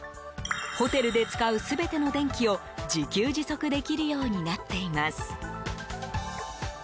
ホテルで使う全ての電気を自給自足できるようになっています。